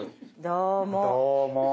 どうも。